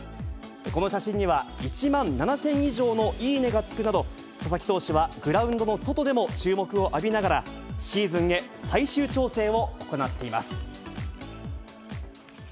この写真には、１万７０００以上のいいねがつくなど、佐々木投手はグラウンドの外でも注目を浴びながら、シーズンへ最終調整を行っています。